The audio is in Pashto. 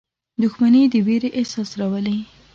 • دښمني د ویرې احساس راولي.